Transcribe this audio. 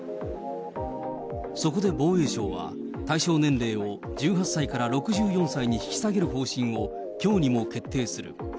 そこで防衛省は、対象年齢を１８歳から６４歳に引き下げる方針をきょうにも決定する。